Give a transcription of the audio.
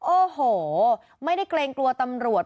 โอ้โหไม่ได้เกรงกลัวตำรวจ